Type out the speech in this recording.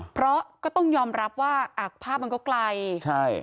เพราะก็ต้องยอมรับว่าอ่ะภาพมันก็ไกลใช่